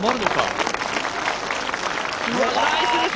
ナイスですね。